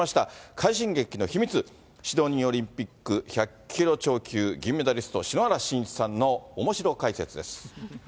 快進撃の秘密、シドニーオリンピック１００キロ超級、銀メダリスト、篠原信一さんのおもしろ解説です。